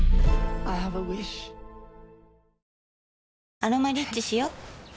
「アロマリッチ」しよ